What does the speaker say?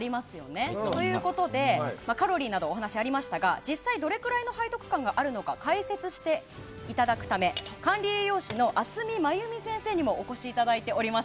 カロリーなどお話がありましたが実際、どれくらいの背徳感があるのか解説していただくため管理栄養士の渥美まゆ美先生にもお越しいただいています。